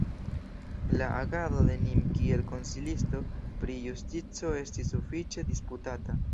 La agado de Nin kiel Konsilisto pri Justico estis sufiĉe disputata.